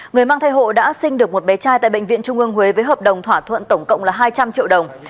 người mang thai hộ đã sinh được một bé trai tại bệnh viện trung ương huế với hợp đồng thỏa thuận tổng cộng là hai trăm linh triệu đồng